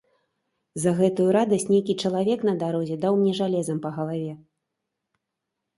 За гэтую радасць нейкі чалавек на дарозе даў мне жалезам па галаве.